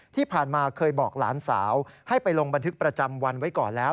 ที่ผ่านมาเคยบอกหลานสาวให้ไปลงบันทึกประจำวันไว้ก่อนแล้ว